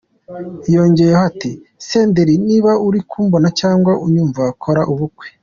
Yongeyeho ati "Senderi niba uri kumbona cyangwa unyumva kora ubukwe.